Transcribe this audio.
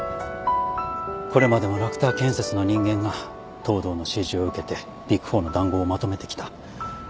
これまでもラクター建設の人間が藤堂の指示を受けてビッグ４の談合をまとめてきた。